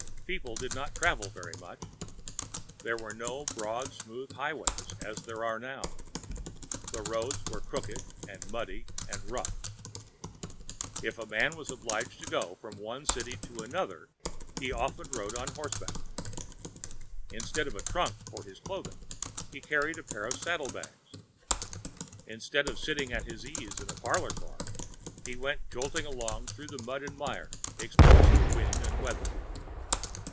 People did not travel very much. There were no broad, smooth highways as there are now. The roads were crooked and muddy and rough. If a man was obliged to go from one city to another, he often rode on horseback. Instead of a trunk for his clothing, he carried a pair of saddlebags. Instead of sitting at his ease in a parlor car, he went jolting along through mud and mire, exposed to wind and weather.